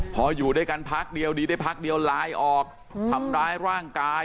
พออยู่ด้วยกันพักเดียวหลายออกทำร้ายร่างกาย